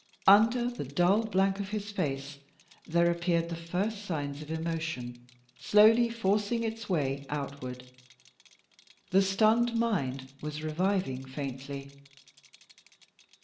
Under the dull blank of his face there appeared the first signs of emotion slowly forcing its way outward. The stunned mind was reviving faintly.